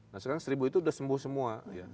nah sekarang seribu itu sudah sembuh semua